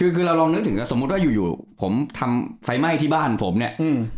คือคือเราลองนึกถึงสมมุติว่าอยู่อยู่ผมทำไฟไหม้ที่บ้านผมเนี่ยอืม